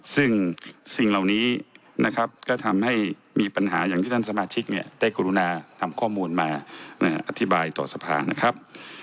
ซึ่งสิ่งเหล่านี้นะครับก็ทำให้มีปัญหาอย่างที่ท่านสมาชิกเนี่ยได้กรุณาทำข้อมูลมาอธิบายต่อสภานะครับ